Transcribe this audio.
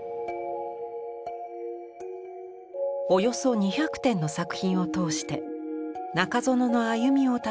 およそ２００点の作品を通して中園の歩みをたどる展覧会です。